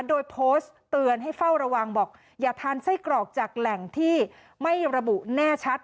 โดยโพสต์เตือนให้เฝ้าระวังบอกอย่าทานไส้กรอกจากแหล่งที่ไม่ระบุแน่ชัด